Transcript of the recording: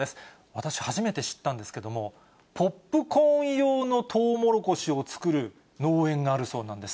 私、初めて知ったんですけど、ポップコーン用のトウモロコシを作る農園があるそうなんです。